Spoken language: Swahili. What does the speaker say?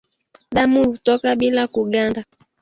damu hutoka bila kuganda